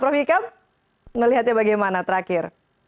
prof hikam melihatnya bagaimana terakhir